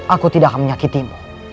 aku tidak akan menyakitimu